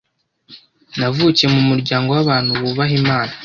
» Navukiye m’ umuryango w’ abantu bubaha Imana